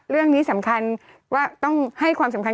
เรื่องนี้สำคัญว่าต้องให้ความสำคัญ